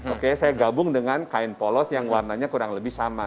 oke saya gabung dengan kain polos yang warnanya kurang lebih sama